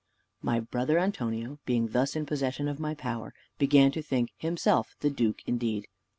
My brother Antonio being thus in possession of my power, began to think himself the duke indeed.